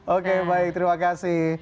oke baik terima kasih